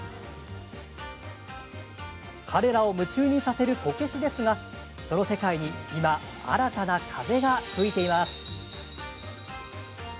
彼らを夢中にさせるこけしですがその世界に今、新たな風が吹いています。